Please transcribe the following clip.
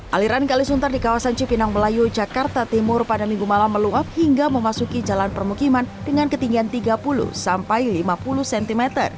aliran kalisuntar di kawasan cipinang melayu jakarta timur pada minggu malam meluap hingga memasuki jalan permukiman dengan ketinggian tiga puluh sampai lima puluh cm